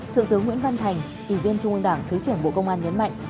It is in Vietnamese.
thượng tướng nguyễn văn thành ủy viên trung ương đảng thứ trưởng bộ công an nhấn mạnh